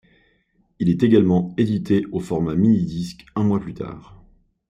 Il est également édité au format MiniDisc un mois plus tard.